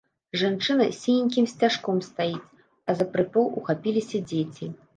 Жанчына з сіненькім сцяжком стаіць, а за прыпол ухапіліся дзеці.